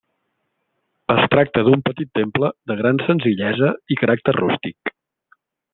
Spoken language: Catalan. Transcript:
Es tracta d'un petit temple de gran senzillesa i caràcter rústic.